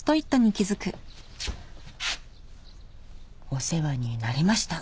「お世話になりました！」